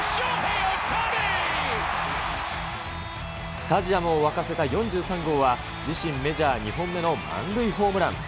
スタジアムを沸かせた４３号は、自身メジャー２本目の満塁ホームラン。